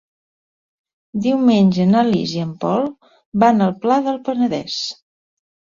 Diumenge na Lis i en Pol van al Pla del Penedès.